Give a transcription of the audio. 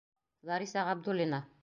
Лариса Ғабдуллина.